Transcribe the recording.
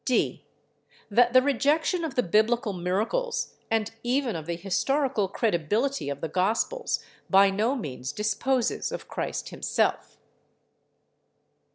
(d) That the rejection of the Biblical miracles, and even of the historical credibility of the Gospels, by no means disposes of Christ Himself.